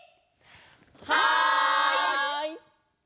はい！